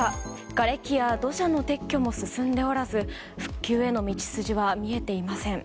がれきや土砂の撤去も進んでおらず復興への道筋は見えていません。